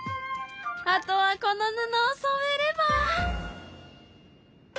あとはこの布をそめれば。